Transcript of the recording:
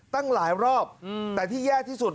ตั้งหลายรอบแต่ที่แย่ที่สุด